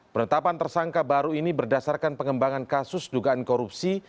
penetapan tersangka baru ini berdasarkan pengembangan kasus dugaan korupsi